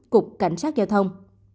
cục cảnh sát giao thông